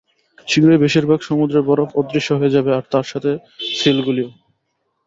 শীঘ্রই, বেশিরভাগ সমুদ্রের বরফ অদৃশ্য হয়ে যাবে আর তার সাথে, সিলগুলিও।